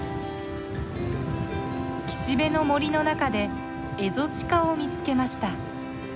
岸辺の森の中でエゾシカを見つけました。